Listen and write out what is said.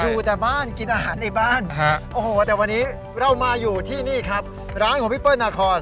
อยู่แต่บ้านกินอาหารในบ้านโอ้โหแต่วันนี้เรามาอยู่ที่นี่ครับร้านของพี่เปิ้ลนาคอน